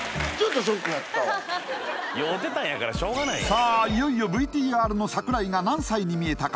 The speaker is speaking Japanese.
さあいよいよＶＴＲの櫻井が何歳に見えたか